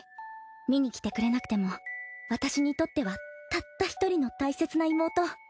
見に来てくれなくても私にとってはたったひとりの大切な妹。